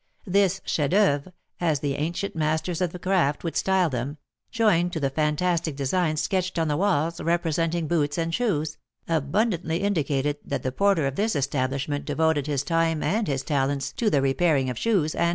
This chef d'oeuvre, as the ancient masters of the craft would style them, joined to the fantastic designs sketched on the walls representing boots and shoes, abundantly indicated that the porter of this establishment devoted his time and his talents to the repairing of shoes and shoe leather.